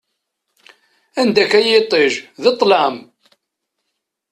Anda-k a yiṭij, d ṭṭlam!